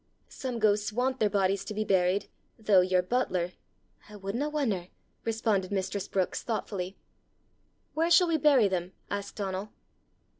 Some ghosts want their bodies to be buried, though your butler " "I wouldna wonder!" responded mistress Brookes, thoughtfully. "Where shall we bury them?" asked Donal.